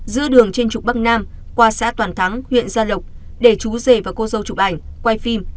giữa đường trên trục bắc nam qua xã toàn thắng huyện gia lộc để chú rể và cô dâu chụp ảnh quay phim